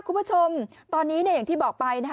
คุณผู้ชมตอนนี้อย่างที่บอกไปนะคะ